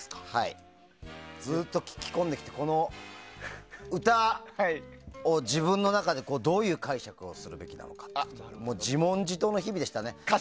ずっと聴き込んできてこの歌を自分の中でどういう解釈をするべきかとか自問自答の日々でしたね。